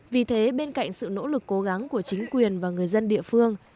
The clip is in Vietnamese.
vì thế bên cạnh sự nỗ lực cố gắng của chính quyền và người dân địa phương